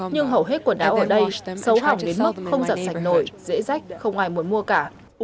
nhưng hầu hết quần áo ở đây xấu hỏng đến mức không giặt sạch nổi dễ rách không ai muốn mua cả